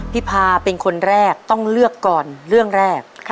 พาเป็นคนแรกต้องเลือกก่อนเรื่องแรก